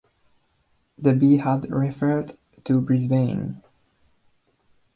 The B had referred to Brisbane.